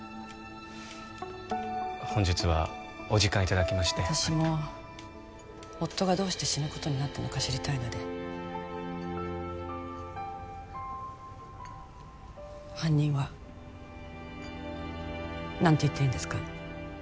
本日はお時間いただきまして私も夫がどうして死ぬことになったのか知りたいので犯人は何て言ってるんですか？